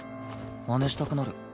まねしたくなる。